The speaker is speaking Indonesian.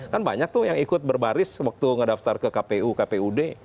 kan banyak tuh yang ikut berbaris waktu ngedaftar ke kpu kpud